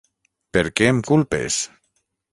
Per què em culpes?